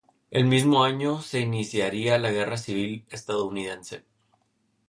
El mismo año, se iniciaría la Guerra Civil Estadounidense.